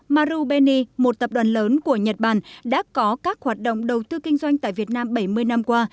marubeni một tập đoàn lớn của nhật bản đã có các hoạt động đầu tư kinh doanh tại việt nam bảy mươi năm qua